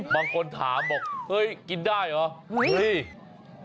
บางคนถามบอกเฮ้ยกินได้เหรอ